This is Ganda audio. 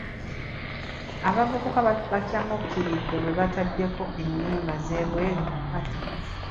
Abavubuka baakyamuukiridde bwe baataddeeko ennyimba z'ebweru ku party.